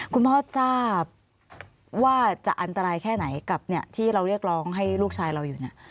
คุณพ่อทราบว่าจะอันตรายแค่ไหนกับที่เราเรียกร้องให้ลูกชายเราอยู่เนี่ย